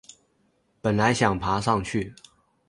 本来想爬上去